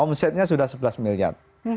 omsetnya sudah sebelas miliar